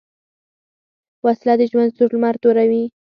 وسله د ژوند سور لمر توروي